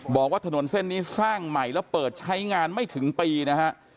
บอกว่าถนนเส้นนี้สร้างใหม่แล้วเปิดใช้งานไม่ถึงปีนะฮะ